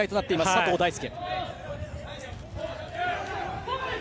佐藤大介。